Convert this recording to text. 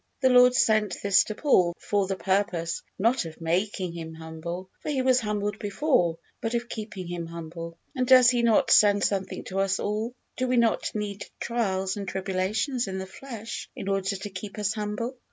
The Lord sent this to Paul for the purpose not of making him humble, for he was humbled before, but of keeping him humble. And does He not send something to us all? Do we not need trials and tribulations in the flesh in order to keep us humble?